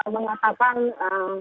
juga mengalami hal yang sama